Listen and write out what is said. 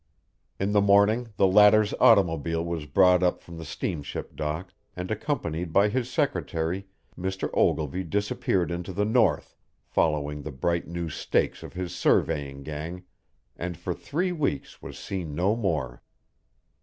In the morning the latter's automobile was brought up from the steamship dock, and accompanied by his secretary, Mr. Ogilvy disappeared into the north following the bright new stakes of his surveying gang, and for three weeks was seen no more.